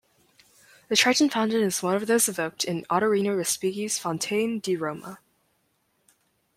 The Triton Fountain is one of those evoked in Ottorino Respighi's "Fontane di Roma".